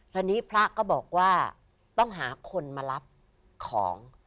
ตอนนี้พระก็บอกว่าต้องหาคนมารับของ